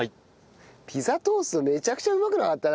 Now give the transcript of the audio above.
ピザトーストめちゃくちゃうまくなかった？